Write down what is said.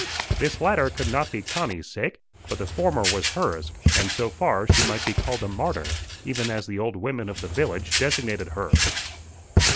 This latter could not be Connie's case, but the former was hers, and so far she might be called a martyr, even as the old women of the village designated her.